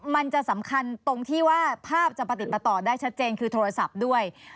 มันจะสำคัญตรงที่ว่าภาพจะประติดประต่อได้ชัดเจนคือโทรศัพท์ด้วย